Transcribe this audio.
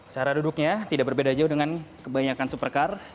cara duduknya tidak berbeda jauh dengan kebanyakan supercar